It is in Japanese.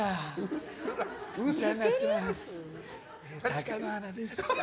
貴乃花です。